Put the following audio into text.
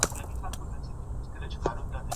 که وخت وي، زده کړه کوم.